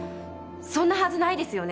そんなはずないですよね？